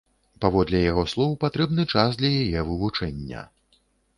Паводле яго слоў, патрэбны час для яе вывучэння.